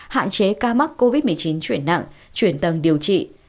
hạn chế ca mắc covid một mươi chín chuyển nặng chuyển tầng điều trị